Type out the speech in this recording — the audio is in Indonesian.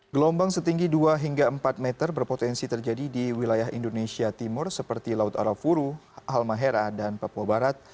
gelombang setinggi dua hingga empat meter berpotensi terjadi di wilayah indonesia timur seperti laut arafuru almahera dan papua barat